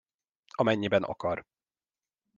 Amennyiben akar.